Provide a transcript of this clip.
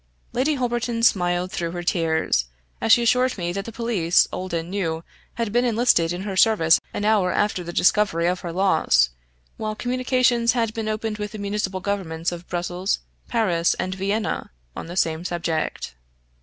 Lady Holberton smiled through her tears, as she assured me that the police, old and new, had been enlisted in her service an hour after the discovery of her loss, while communications had been opened with the municipal governments of Brussels, Paris, and Vienna, on the same subject.